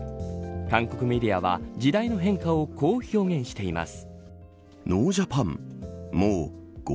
韓国メディアは時代の変化をこう表現しています。